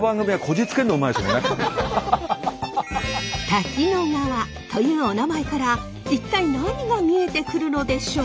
滝野川というおなまえから一体何が見えてくるのでしょう。